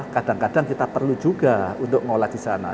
kadang kadang kita perlu juga untuk mengolah di sana